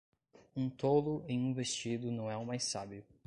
Um tolo em um vestido não é o mais sábio.